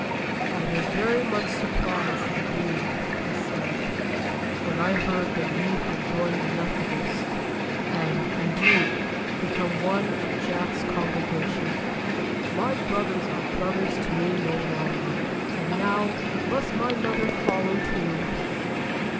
"I was very much surprised and grieved," he said, "when I heard that you had joined the Methodists, and, indeed, become one of Jack's congregation. My brothers are brothers to me no longer, and now, must my mother follow too?"